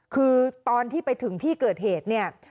คือตอนที่ไปถึงที่เกิดเหตุเนี่ย